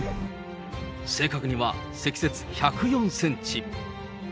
正確には積雪１０４センチ。